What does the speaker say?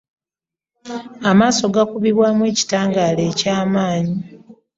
Amaaso gakukibwamu ekitangala ekyamanyi